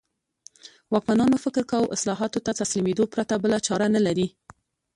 واکمنانو فکر کاوه اصلاحاتو ته تسلیمېدو پرته بله چاره نه لري.